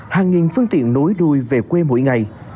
hàng nghìn phương tiện nối đuôi về quê mỗi ngày